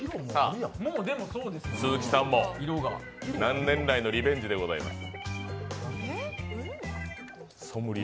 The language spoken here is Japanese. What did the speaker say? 鈴木さんも、何年来のリベンジでございます。